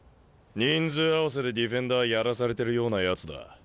人数合わせでディフェンダーやらされてるようなやつだ。